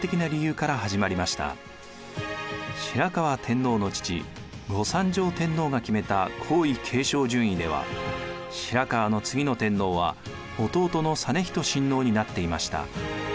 白河天皇の父後三条天皇が決めた皇位継承順位では白河の次の天皇は弟の実仁親王になっていました。